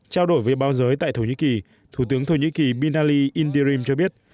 chào đổi với báo giới tại thổ nhĩ kỳ thủ tướng thổ nhĩ kỳ binali indirim cho biết